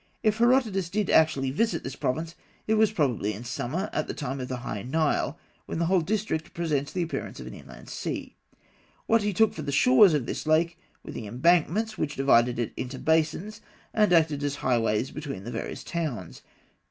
If Herodotus did actually visit this province, it was probably in summer, at the time of the high Nile, when the whole district presents the appearance of an inland sea. What he took for the shores of this lake were the embankments which divided it into basins and acted as highways between the various towns.